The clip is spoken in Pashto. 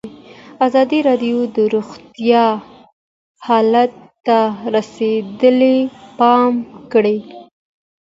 ازادي راډیو د روغتیا حالت ته رسېدلي پام کړی.